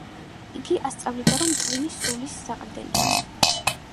იგი ასწავლიდა, რომ ტვინი სულის საყრდენია.